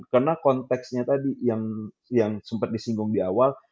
karena konteksnya tadi yang sempat disinggung di awal